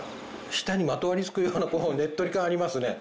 舌にまとわりつくようなねっとり感ありますね。